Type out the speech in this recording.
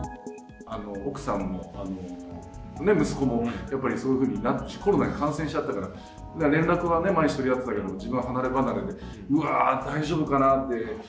奥さんも息子も、やっぱりそういうふうに、コロナに感染しちゃったから、連絡はね、毎日取り合ってたけども、自分は離れ離れで、うわー、大丈夫かなって。